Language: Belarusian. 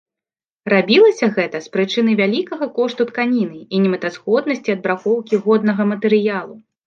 Рабілася гэта з прычыны вялікага кошту тканіны і немэтазгоднасці адбракоўкі годнага матэрыялу.